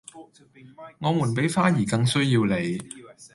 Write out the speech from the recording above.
我們比花兒更需要你